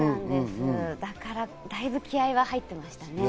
だから、だいぶ気合いが入ってました。